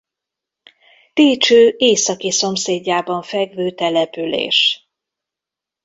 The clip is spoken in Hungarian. Técső északi szomszédjában fekvő település.